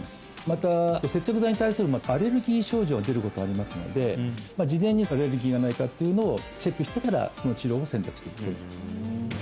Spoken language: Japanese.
また接着剤に対するアレルギー症状が出ることがありますので事前にアレルギーがないかっていうのをチェックしてからこの治療を選択していただきます